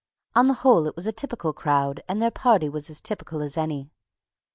On the whole it was a typical crowd, and their party as typical as any.